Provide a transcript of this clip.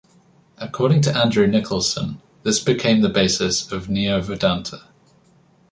According to Andrew Nicholson, this became the basis of Neo-Vedanta.